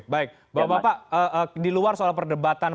baik bapak bapak di luar soal perdebatan